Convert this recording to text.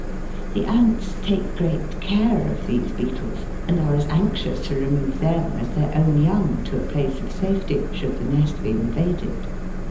The ants take great care of these beetles, and are as anxious to remove them as their own young to a place . of safety should the nest be invaded.